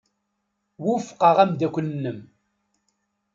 Wufqeɣ ameddakel-nnem.